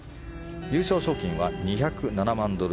優勝賞金は２０７万ドル